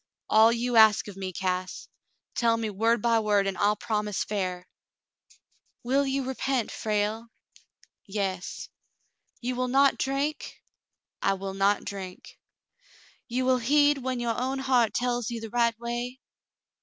"All you ask of me, Cass. Tell me word by word, an' I'll promise fair." "You will repent, Frale ?" 58 The Mountain Girl "Yas." "You will not drink?" "I will not drink." *'You will heed when your own heart tells you the right way